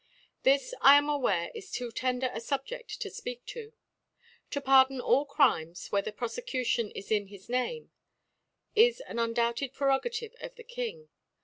. This, I am aware, is too tender a Subje£fc to fpeak to. To pardon all Crimes where the Profecudon is in his Name^ is an un* .doubted Prcrogaiive of the King.